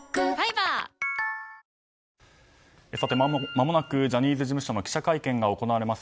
まもなくジャニーズ事務所の記者会見が行われます